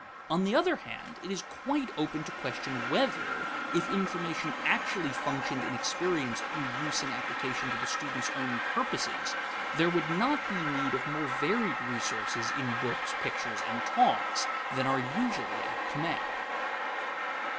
On the other hand, it is quite open to question whether, if information actually functioned in experience through use in application to the student's own purposes, there would not be need of more varied resources in books, pictures, and talks than are usually at command.